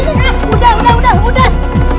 udah udah udah